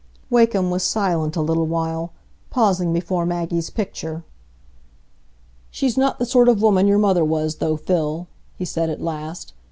Wakem was silent a little while, pausing before Maggie's picture. "She's not the sort of woman your mother was, though, Phil," he said, at last.